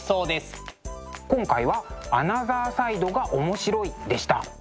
今回は「アナザーサイドがおもしろい！」でした。